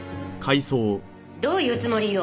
どういうつもりよ！？